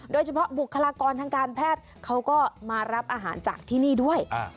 บุคลากรทางการแพทย์เขาก็มารับอาหารจากที่นี่ด้วย